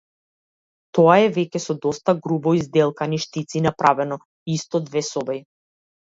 Тоа е веќе со доста грубо изделкани штици направено, и исто две соби.